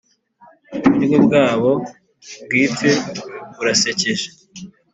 Uburyo bwabo bwite burasekeje.